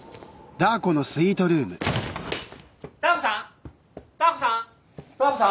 ダー子さん！？